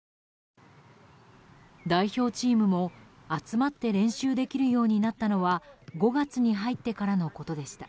代表チームも集まって練習できるようになったのは５月に入ってからのことでした。